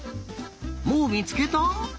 もうみつけた？